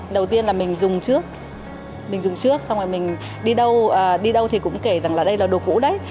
đầu tiên là mình dùng trước mình dùng trước xong rồi mình đi đâu đi đâu thì cũng kể rằng là đây là đồ cũ đấy